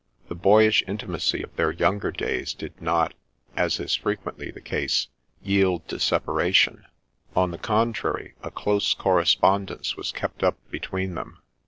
The boyish intimacy of their younger days did not, as is frequently the case, yield to separation ; on the contrary, a close correspondence was kept up between them.